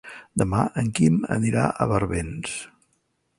Demà en Quim anirà a Barbens.